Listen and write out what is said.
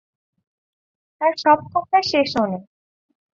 তাঁর সব কথা সে শোনে।